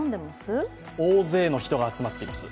大勢の人が集まっています。